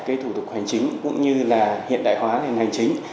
cái thủ tục hành chính cũng như là hiện đại hóa nền hành chính